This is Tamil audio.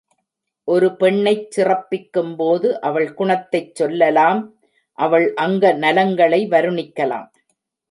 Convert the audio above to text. ஒரு பெண்ணைச் சிறப்பிக்கும் போது அவள் குணத்தைச் சொல்லலாம் அவள் அங்க நலங்களை வருணிக்கலாம்.